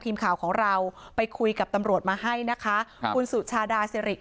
ทีมข่าวของเราไปคุยกับตำรวจมาให้นะคะครับคุณสุชาดาสิริ